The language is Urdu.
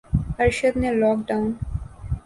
ارشد نے لاک ڈاؤن